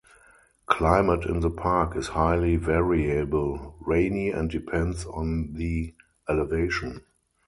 Climate in the park is highly variable, rainy and depends on the elevation.